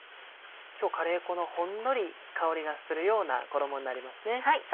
今日カレー粉のほんのり香りがするような衣になりますね。